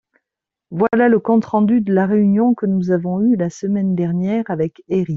voilà le compte-rendu de la réunion que nous avons eu la semaine dernière avec Herri.